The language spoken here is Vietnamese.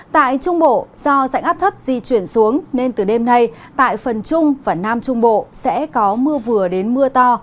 tại trung bộ do dạnh áp thấp di chuyển xuống nên từ đêm nay tại phần trung và nam trung bộ sẽ có mưa vừa đến mưa to